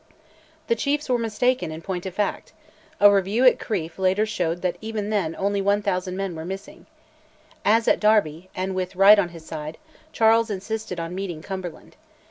The chiefs were mistaken in point of fact: a review at Crieff later showed that even then only 1000 men were missing. As at Derby, and with right on his side, Charles insisted on meeting Cumberland.